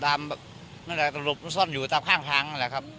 เดือนสิบกว่าวันยอดหลังเนี่ย้นะครับ